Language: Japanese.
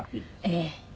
ええ。